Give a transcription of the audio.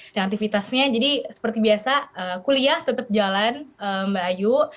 dan aktivitasnya jadi seperti biasa kuliah tetap jalan mbak ayu